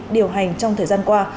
điều hành trong thời gian qua